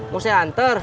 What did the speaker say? mau saya hantar